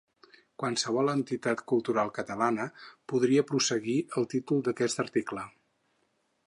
“Qualsevol entitat cultural catalana”, podria prosseguir el títol d’aquest article.